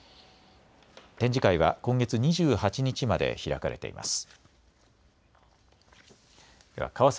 展示会は今月２８日まで開かれています。